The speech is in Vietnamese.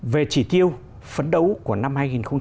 về chỉ tiêu phấn đấu của năm hai nghìn một mươi chín